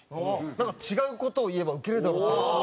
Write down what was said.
なんか違う事を言えばウケるだろう。